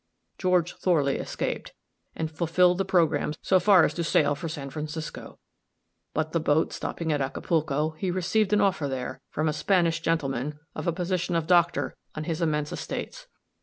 George Thorley escaped, and fulfilled the programme so far as to sail for San Francisco; but the boat stopping at Acapulco, he received an offer there, from a Spanish gentleman, of the position of doctor on his immense estates.